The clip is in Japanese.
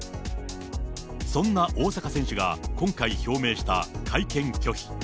そんな大坂選手が今回表明した会見拒否。